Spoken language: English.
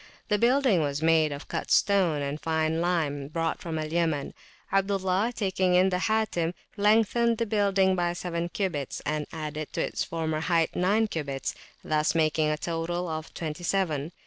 The building was made of cut stone and fine lime brought from Al Yaman. Abdullah, taking in the Hatim, lengthened the building by seven cubits, and added to its former height nine cubits, [p.324] thus making a total of twenty seven.